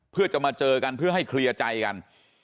เพื่อจะมาเจอกันเพื่อให้เคลียร์ใจกัน